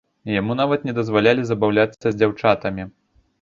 Яму нават не дазвалялі забаўляцца з дзяўчатамі.